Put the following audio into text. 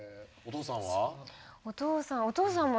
お父さんは？